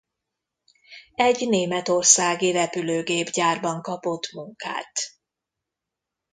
Egy németországi repülőgépgyárban kapott munkát.